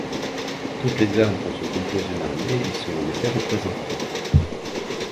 Toutes les armes dont se compose une armée y sont en effet représentées.